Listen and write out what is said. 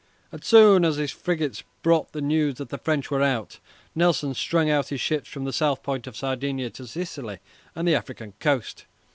As soon as his frigates brought the news that the French were out, Nelson strung out his ships from the south point of Sardinia to Sicily and the African coast.